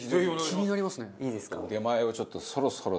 気になりますね。